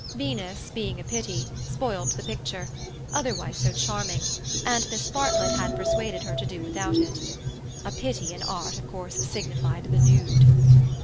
Venus, being a pity, spoilt the picture, otherwise so charming, and Miss Bartlett had persuaded her to do without it. (A pity in art of course signified the nude.)